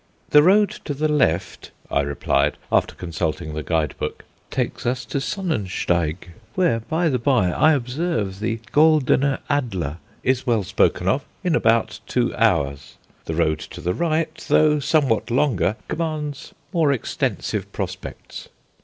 "The road to the left," I replied, after consulting the guide book, "takes us to Sonnensteig where, by the by, I observe the 'Goldener Adler' is well spoken of in about two hours. The road to the right, though somewhat longer, commands more extensive prospects."